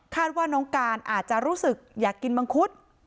ว่าน้องการอาจจะรู้สึกอยากกินมังคุด